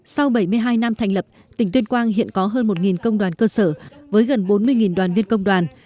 sau bảy mươi hai năm thành lập tỉnh tuyên quang hiện có hơn một công đoàn cơ sở với gần bốn mươi đoàn viên công đoàn